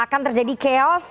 akan terjadi chaos